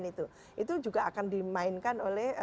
itu juga akan dimainkan oleh